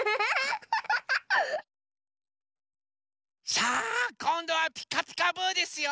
さあこんどは「ピカピカブ！」ですよ。